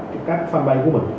trên các fanpage của mình